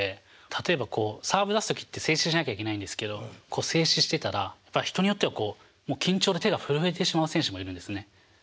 例えばこうサーブ出す時って静止しなきゃいけないんですけどこう静止してたら人によってはこうもう緊張で手が震えてしまう選手もいるんですね。